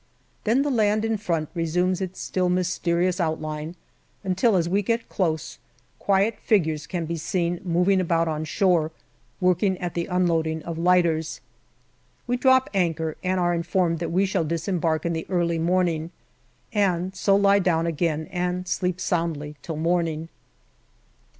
Then the land in front resumes its still mysterious out line, until, as we get close, quiet figures can be seen moving about on shore working at the unloading of lighters. We drop anchor and are informed that we shall dis embark in the early morning, and so lie down again and sleep soundly till morning.